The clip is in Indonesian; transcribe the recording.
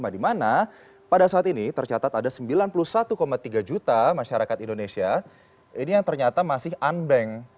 dimana pada saat ini tercatat ada sembilan puluh satu tiga juta masyarakat indonesia ini yang ternyata masih unbank